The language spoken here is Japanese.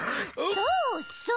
そうそう。